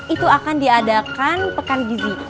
itu akan diadakan pekan gizi